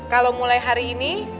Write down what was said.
kalau mulai hari ini